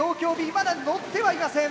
まだのってはいません。